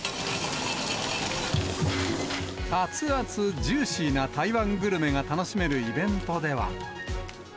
熱々ジューシーな台湾グルメが楽しめるイベントでは。